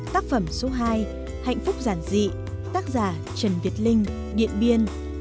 tác phẩm số hai hạnh phúc giản dị tác giả trần việt linh điện biên